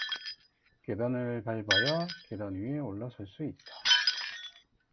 계단을 밟아야 계단 위에 올라설 수 있다.